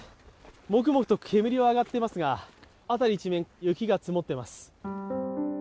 もくもくと煙は上がっていますが辺り一面、雪が積もっています。